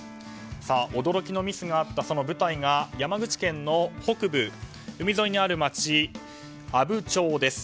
驚きのミスがあったその舞台が山口県の北部海沿いにある町、阿武町です。